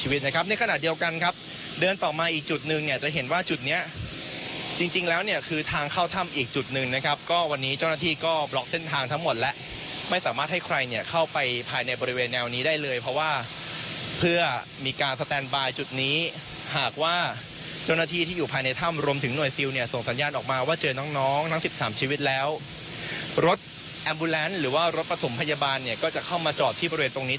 วันนี้เจ้าหน้าที่ก็บล็อกเส้นทางทั้งหมดและไม่สามารถให้ใครเนี่ยเข้าไปภายในบริเวณแนวนี้ได้เลยเพราะว่าเพื่อมีการสแตนบายจุดนี้หากว่าเจ้าหน้าที่ที่อยู่ภายในถ้ำรวมถึงหน่วยซิลเนี่ยส่งสัญญาณออกมาว่าเจอน้องน้องทั้งสิบสามชีวิตแล้วรถแอมบูแลนซ์หรือว่ารถปฐมพยาบาลเนี่ยก็จะเข้ามาจอดที่บร